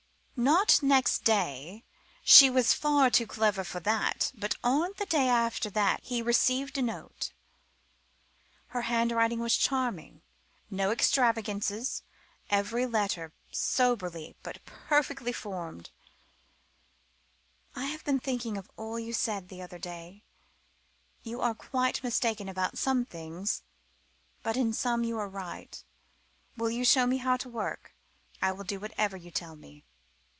Not next day she was far too clever for that, but on the day after that he received a note. Her handwriting was charming; no extravagances, every letter soberly but perfectly formed. "I have been thinking of all you said the other day. You are quite mistaken about some things but in some you are right. Will you show me how to work? I will do whatever you tell me."